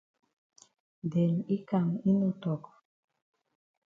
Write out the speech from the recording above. Den yi kam yi no tok.